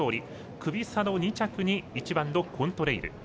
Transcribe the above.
クビ差の２着に１番コントレイル。